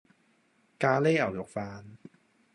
咖哩牛肉飯